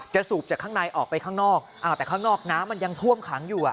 สูบจากข้างในออกไปข้างนอกแต่ข้างนอกน้ำมันยังท่วมขังอยู่